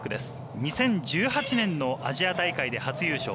２０１８年のアジア大会で初優勝。